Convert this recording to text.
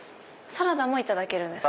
サラダもいただけるんですか？